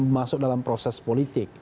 masuk dalam proses politik